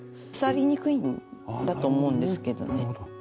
腐りにくいんだと思うんですけどね。